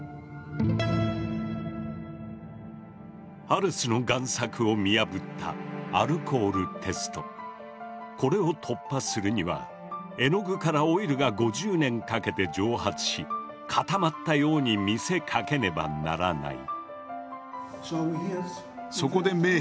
ハルスの贋作を見破ったこれを突破するには絵の具からオイルが５０年かけて蒸発し固まったように見せかけねばならない。